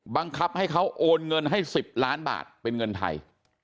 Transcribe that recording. บังคับให้เขาโอนเงินให้๑๐ล้านบาทเป็นเงินไทย